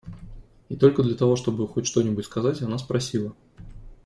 И только для того, чтобы хоть что-нибудь сказать, она спросила: